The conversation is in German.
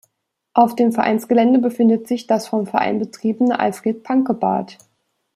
Auf dem Vereinsgelände befindet sich das vom Verein betriebene Alfred-Panke-Bad.